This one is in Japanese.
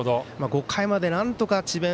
５回まで、なんとか智弁